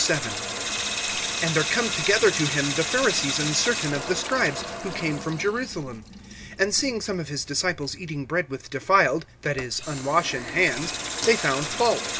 VII. AND there come together to him the Pharisees and certain of the scribes, who came from Jerusalem. (2)And seeing some of his disciples eating bread with defiled (that is, unwashen) hands, they found fault.